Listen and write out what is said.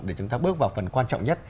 để chúng ta bước vào phần quan trọng nhất